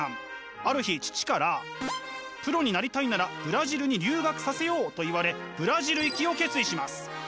ある日父から「プロになりたいならブラジルに留学させよう」と言われブラジル行きを決意します。